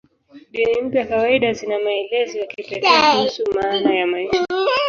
Dini mpya kawaida zina maelezo ya kipekee kuhusu maana ya maisha.